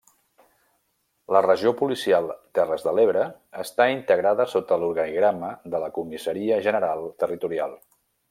La Regió Policial Terres de l'Ebre està integrada sota l'organigrama de la Comissaria General Territorial.